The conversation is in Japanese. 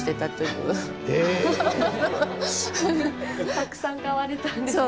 たくさん買われたんですね。